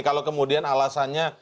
kalau kemudian alasannya